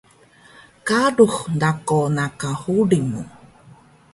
Qalux rako na ka huling mu